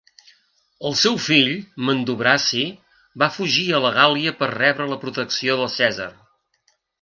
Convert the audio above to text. El seu fill, Mandubraci, va fugir a la Gàl·lia per rebre la protecció de Cèsar.